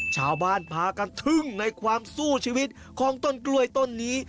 ชาวบ้านพากันทึ่งในความสู้ชีวิตของต้นกล้วยต้นนี้